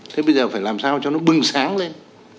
thế bây giờ phải làm sao cho nó bừng sáng lên